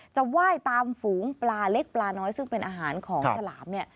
จะไหว้ตามฝูงปลาเล็กปลาน้อยซึ่งเป็นอาหารของฉลามเนี่ย